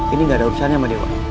ini gak ada urusannya sama dewa